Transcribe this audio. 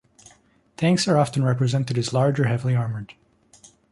Tanks are often represented as large or heavily armored.